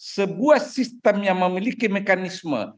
sebuah sistem yang memiliki mekanisme